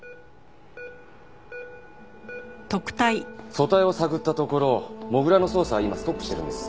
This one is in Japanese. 組対を探ったところ土竜の捜査は今ストップしてるんです。